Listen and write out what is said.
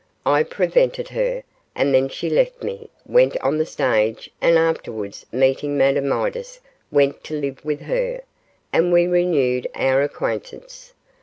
I prevented her, and then she left me, went on the stage, and afterwards meeting Madame Midas, went to live with her, and we renewed our acquaintance.